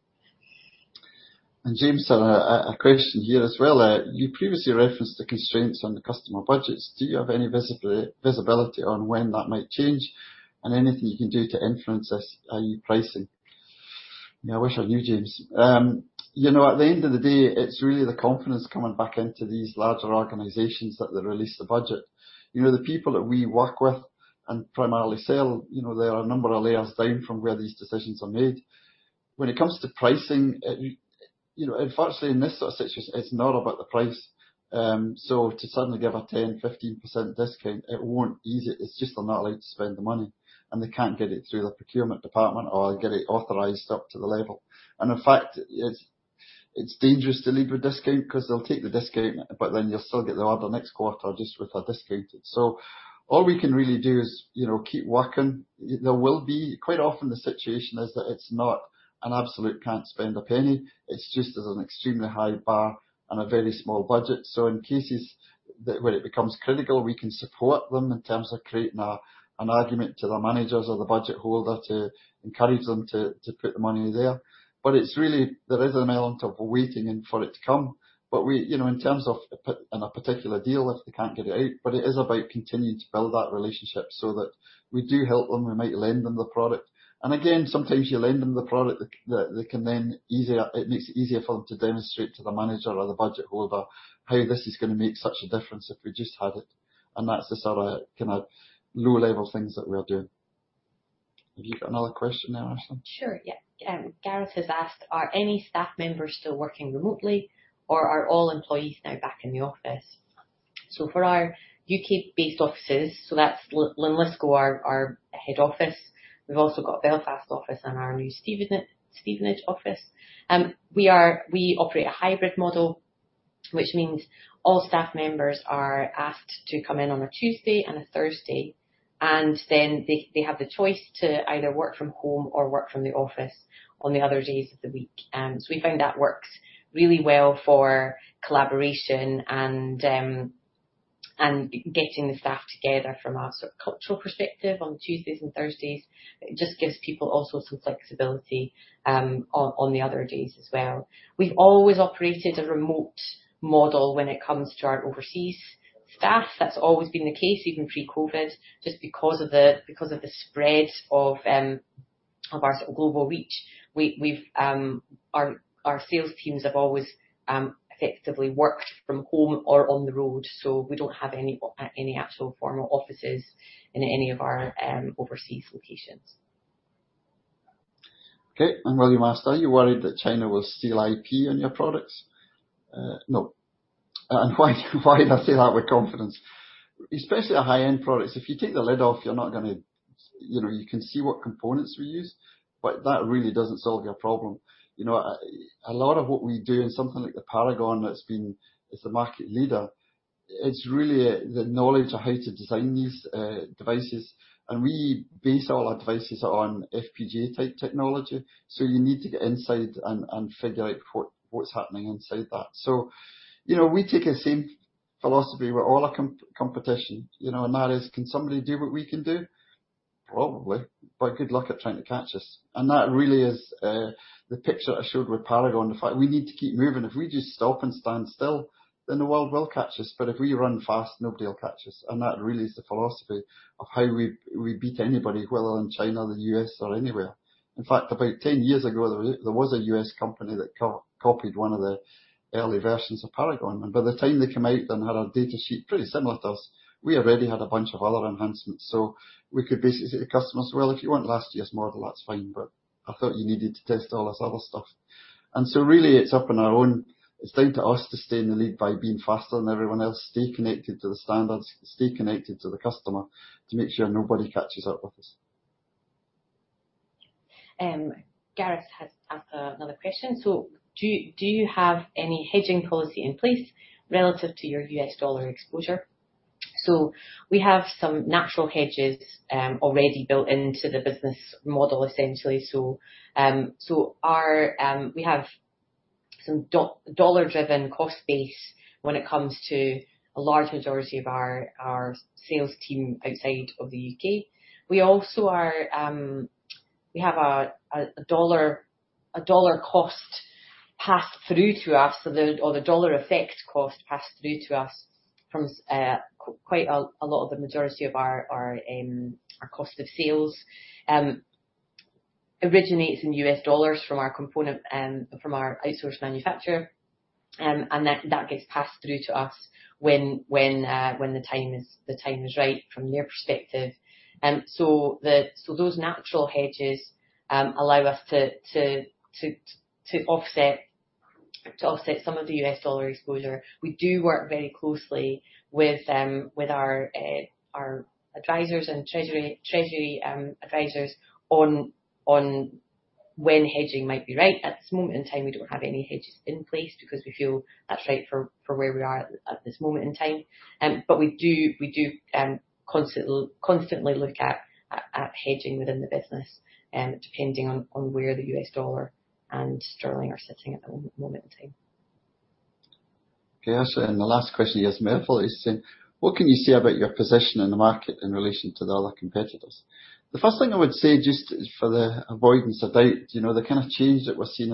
Speaker 2: James had a question here as well. You previously referenced the constraints on the customer budgets. Do you have any visibility on when that might change and anything you can do to influence this pricing? Yeah, I wish I knew, James. You know, at the end of the day, it's really the confidence coming back into these larger organizations that they release the budget. You know, the people that we work with and primarily sell, you know, there are a number of layers down from where these decisions are made. When it comes to pricing, you know, unfortunately, in this sort of situation, it's not about the price. To suddenly give a 10%, 15% discount, it won't ease it. It's just they're not allowed to spend the money, and they can't get it through the procurement department or get it authorized up to the level. In fact, it's dangerous to lead with discount because they'll take the discount, but then you'll still get the order next quarter just without discount. All we can really do is, you know, keep working. Quite often the situation is that it's not an absolute can't spend a penny, it's just there's an extremely high bar and a very small budget. In cases that when it becomes critical, we can support them in terms of creating a, an argument to the managers or the budget holder to encourage them to put the money there. It's really there is an element of waiting in for it to come. We, you know, in terms of in a particular deal if they can't get it out, but it is about continuing to build that relationship so that we do help them. We might lend them the product. Again, sometimes you lend them the product that they can then It makes it easier for them to demonstrate to the manager or the budget holder how this is gonna make such a difference if we just had it. That's the sort of, kind of low-level things that we are doing. Have you got another question there, [Ashleigh]?
Speaker 3: Sure, yeah. Gareth has asked, are any staff members still working remotely, or are all employees now back in the office? For our U.K.-based offices, that's Linlithgow, our head office. We've also got a Belfast office and our new Stevenage office. We operate a hybrid model, which means all staff members are asked to come in on a Tuesday and a Thursday, and then they have the choice to either work from home or work from the office on the other days of the week. We find that works really well for collaboration and getting the staff together from a sort of cultural perspective on Tuesdays and Thursdays. It just gives people also some flexibility on the other days as well. We've always operated a remote model when it comes to our overseas staff. That's always been the case, even pre-COVID, just because of the spread of our sort of global reach. We've, our sales teams have always effectively worked from home or on the road, so we don't have any actual formal offices in any of our overseas locations.
Speaker 2: Okay. William asked, are you worried that China will steal IP on your products? No. Why, why do I say that with confidence? Especially our high-end products, if you take the lid off, you're not going to, you know, you can see what components we use, but that really doesn't solve your problem. You know, a lot of what we do in something like the Paragon that's been... It's the market leader, it's really the knowledge of how to design these devices, and we base all our devices on FPGA type technology, so you need to get inside and figure out what's happening inside that. You know, we take the same philosophy with all our competition, you know, and that is, can somebody do what we can do? Probably. Good luck at trying to catch us. That really is the picture I showed with Paragon. The fact we need to keep moving. If we just stop and stand still, then the world will catch us. If we run fast, nobody will catch us, that really is the philosophy of how we beat anybody, whether in China or the U.S. or anywhere. In fact, about 10 years ago, there was a US company that co-copied one of the early versions of Paragon, and by the time they come out and had a data sheet pretty similar to us, we already had a bunch of other enhancements. We could basically say to customers, "Well, if you want last year's model, that's fine, but I thought you needed to test all this other stuff." Really it's up on our own. It's down to us to stay in the lead by being faster than everyone else, stay connected to the standards, stay connected to the customer to make sure nobody catches up with us.
Speaker 3: Gareth has asked another question. Do you have any hedging policy in place relative to your US dollar exposure? We have some natural hedges already built into the business model essentially. Our dollar driven cost base when it comes to a large majority of our sales team outside of the U.K.. We also are, we have a dollar cost passed through to us or the, or the dollar effect cost passed through to us from quite a lot of the majority of our cost of sales originates in US dollars from our component from our outsourced manufacturer. And that gets passed through to us when the time is right from their perspective. those natural hedges.
Speaker 1: Allow us to offset some of the US dollar exposure. We do work very closely with our advisors and treasury advisors on when hedging might be right. At this moment in time, we don't have any hedges in place because we feel that's right for where we are at this moment in time. We do constantly look at hedging within the business, depending on where the US dollar and sterling are sitting at the moment in time.
Speaker 2: Okay. The last question here is [Merfil]. He's saying, "What can you say about your position in the market in relation to the other competitors?" The first thing I would say, just for the avoidance of doubt, you know, the kind of change that we're seeing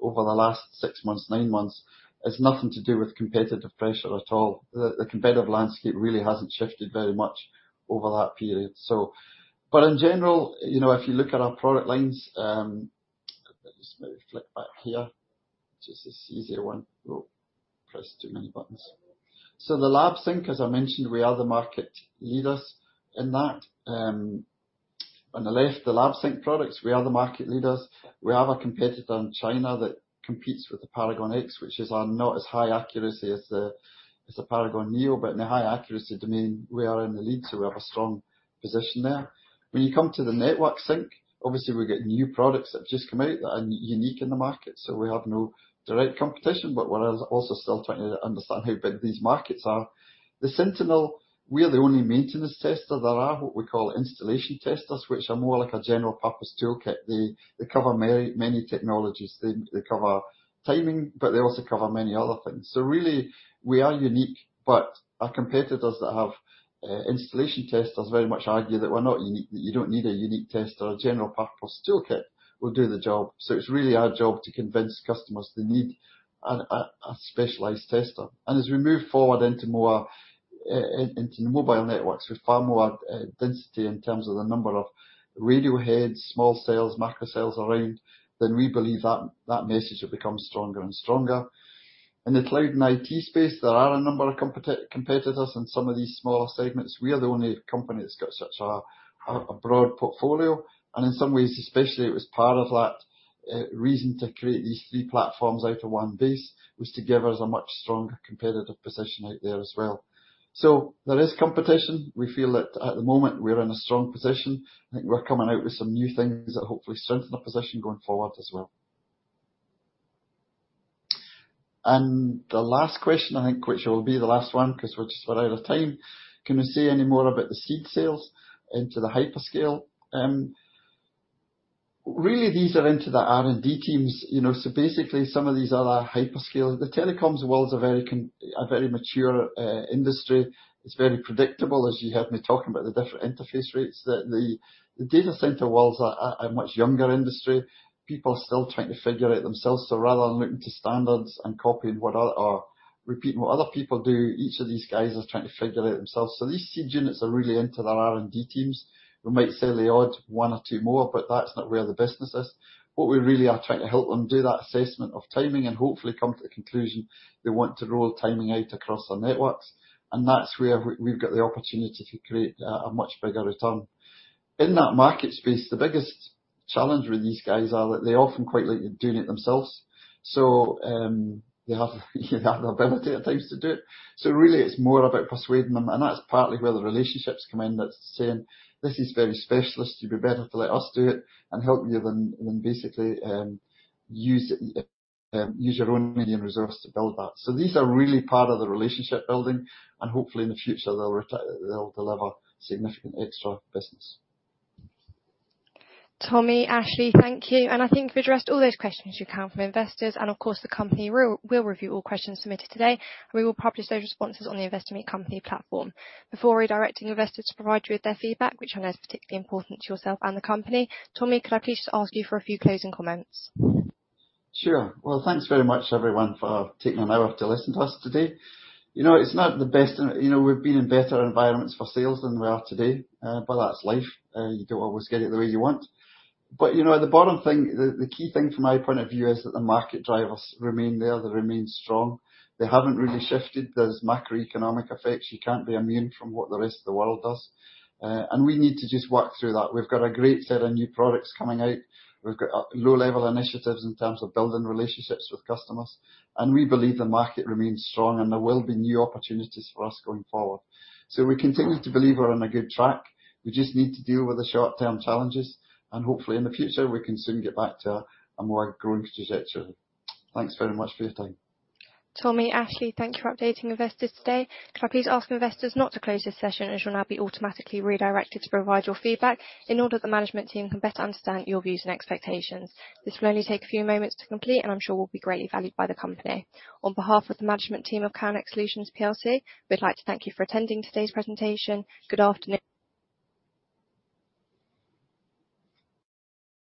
Speaker 2: over the last six months, nine months, has nothing to do with competitive pressure at all. The competitive landscape really hasn't shifted very much over that period. In general, you know, if you look at our product lines, let me just maybe flip back here. Just this easier one. Oh, pressed too many buttons. The Lab Sync, as I mentioned, we are the market leaders in that. On the left, the Lab Sync products, we are the market leaders. We have a competitor in China that competes with the Paragon-X, which is not as high accuracy as the Paragon-Neo. In the high accuracy domain, we are in the lead, so we have a strong position there. When you come to the Network Sync, obviously we're getting new products that have just come out that are unique in the market, so we have no direct competition. We're also still trying to understand how big these markets are. The Sentinel, we are the only maintenance tester. There are what we call installation testers, which are more like a general purpose toolkit. They cover many technologies. They cover timing, but they also cover many other things. Really, we are unique. Our competitors that have installation testers very much argue that we're not unique, that you don't need a unique tester. A general purpose toolkit will do the job. It's really our job to convince customers they need a specialized tester. As we move forward into more into mobile networks with far more density in terms of the number of radio heads, small cells, micro cells around, then we believe that message will become stronger and stronger. In the Cloud & IT space, there are a number of competitors in some of these smaller segments. We are the only company that's got such a broad portfolio. In some ways especially, it was part of that reason to create these three platforms out of one base, was to give us a much stronger competitive position out there as well. There is competition. We feel that at the moment we are in a strong position. I think we're coming out with some new things that hopefully strengthen our position going forward as well. The last question I think, which will be the last one 'cause we're just about out of time: "Can you say any more about the seed sales into the hyperscale?" Really these are into the R&D teams, you know. Basically some of these other hyperscale. The telecoms world's a very mature industry. It's very predictable, as you heard me talking about the different interface rates. The data center world's a much younger industry. People are still trying to figure out themselves. Rather than looking to standards and copying or repeating what other people do, each of these guys are trying to figure it out themselves. These seed units are really into their R&D teams. We might sell the odd one or two more. That's not where the business is. What we really are trying to help them do that assessment of timing and hopefully come to the conclusion they want to roll timing out across our networks, and that's where we've got the opportunity to create a much bigger return. In that market space, the biggest challenge with these guys are that they often quite like doing it themselves. They have the ability at times to do it. Really it's more about persuading them, and that's partly where the relationships come in. That's saying, "This is very specialist. You'd be better to let us do it and help you than basically use your own medium resource to build that. These are really part of the relationship building and hopefully in the future they'll deliver significant extra business.
Speaker 1: Tommy, Ashleigh, thank you. I think you've addressed all those questions you count from investors, and of course the company will review all questions submitted today. We will publish those responses on the Investor Meet Company platform. Before redirecting investors to provide you with their feedback, which I know is particularly important to yourself and the company, Tommy, could I please ask you for a few closing comments?
Speaker 2: Sure. Well, thanks very much everyone for taking an hour to listen to us today. You know, it's not the best. You know, we've been in better environments for sales than we are today, but that's life. You don't always get it the way you want. You know, at the bottom thing, the key thing from my point of view is that the market drivers remain there. They remain strong. They haven't really shifted. There's macroeconomic effects. You can't be immune from what the rest of the world does. We need to just work through that. We've got a great set of new products coming out. We've got low level initiatives in terms of building relationships with customers. We believe the market remains strong and there will be new opportunities for us going forward. We continue to believe we're on a good track. We just need to deal with the short-term challenges, and hopefully in the future we can soon get back to a more growing trajectory. Thanks very much for your time.
Speaker 1: Tommy, Ashleigh, thank you for updating investors today. Could I please ask investors not to close this session, as you'll now be automatically redirected to provide your feedback in order the management team can better understand your views and expectations. This will only take a few moments to complete, and I'm sure will be greatly valued by the company. On behalf of the management team of Calnex Solutions Plc, we'd like to thank you for attending today's presentation. Good afternoon.